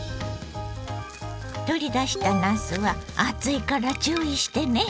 取り出したなすは熱いから注意してね。